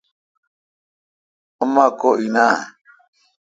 اوما کو این اؘ۔